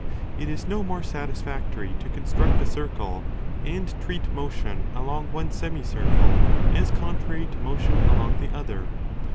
® It is no more satisfactory to cen struct a circle and treat motion along one semicircle as 15 contrary to motion along the other.